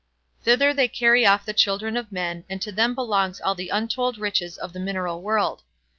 Thither they carry off the children of men, and to them belongs all the untold riches of the mineral world.